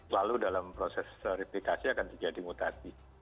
lalu dalam proses replikasi akan terjadi mutasi